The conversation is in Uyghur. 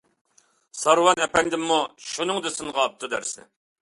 سارۋان ئەپەندىممۇ شۇنىڭدا سىنغا ئاپتۇ دەرسنى.